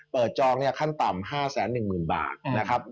เปิดจองขั้นต่ำ๕แสน๑หมื่นบาทนะครับ